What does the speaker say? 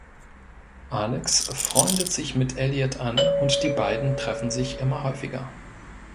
Alex freundet sich mit Elliot an und die beiden treffen sich immer häufiger.